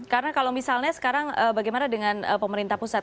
karena kalau misalnya sekarang bagaimana dengan pemerintah pusat